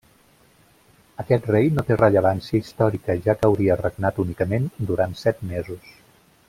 Aquest rei no té rellevància històrica, ja que hauria regnat únicament durant set mesos.